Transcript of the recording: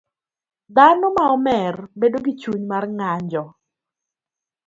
Dhano ma omer bedo gi chuny mar ng'anjo